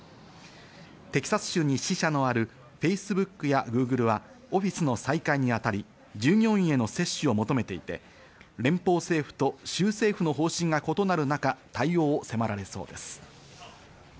テキサス州に支社のあるＦａｃｅｂｏｏｋやＧｏｏｇｌｅは、オフィスの再開に当たり従業員への接種を求めていて、連邦政府と州政府の方針が異なる中、対応を迫られそうです。